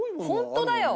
本当だよ！